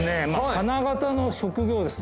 花形の職業です